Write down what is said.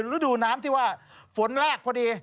ฤดูน้ำที่ว่าฝนลากพอดี